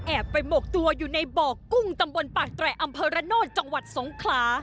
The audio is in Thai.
แอบไปหมกตัวอยู่ในบอกกุ้งตำบลปากแตร่อัมพรณนท์จังหวัดสงคลา